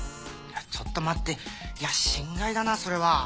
ちょっと待っていや心外だなそれは。